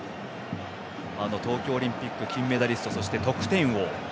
東京オリンピック金メダリストそして得点王。